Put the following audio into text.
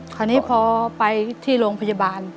คราวนี้พอไปที่โรงพยาบาล